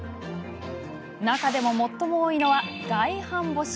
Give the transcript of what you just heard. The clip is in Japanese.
中でも最も多いのは外反母趾。